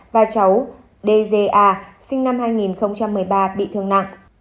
và cháu dza sinh năm hai nghìn một mươi ba bị thương nặng